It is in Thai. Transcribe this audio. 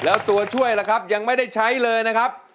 แล้วตัวช่วยล่ะครับยังไม่ได้ใช้เลยนะครับ